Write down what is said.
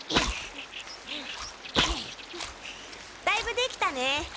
だいぶできたね。